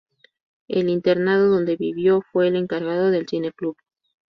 En el internado donde vivió fue el encargado del cineclub.